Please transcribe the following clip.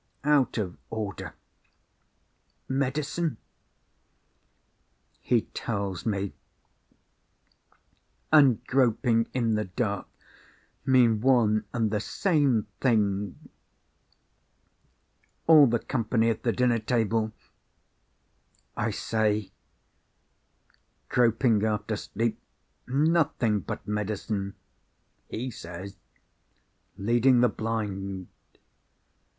out of order ... medicine ... he tells me ... and groping in the dark mean one and the same thing ... all the company at the dinner table ... I say ... groping after sleep ... nothing but medicine ... he says ... leading the blind